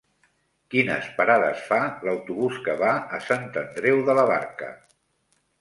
Quines parades fa l'autobús que va a Sant Andreu de la Barca?